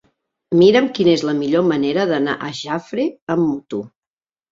Mira'm quina és la millor manera d'anar a Jafre amb moto.